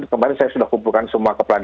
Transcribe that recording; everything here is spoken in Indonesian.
kemarin saya sudah kumpulkan semua kepelajaran